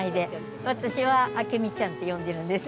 私は明美ちゃんって呼んでるんです。